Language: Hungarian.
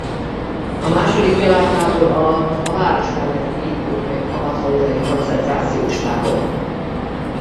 A második világháború alatt a város mellett épült meg a mauthauseni koncentrációs tábor.